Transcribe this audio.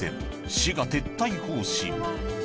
市が撤退方針